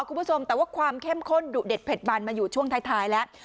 คุณผู้ชมแต่ว่าความเข้มข้นดุเด็ดเผ็ดบันมาอยู่ช่วงท้ายแล้ว